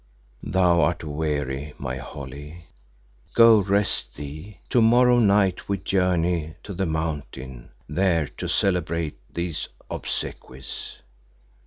"Thou art weary, my Holly, go rest thee. To morrow night we journey to the Mountain, there to celebrate these obsequies."